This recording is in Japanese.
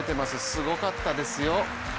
すごかったですよ。